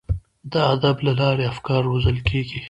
د ادب له لارې افکار روزل کیږي.